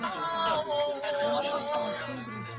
هغه څوک چي مطالعه لري تل ځلاند وي.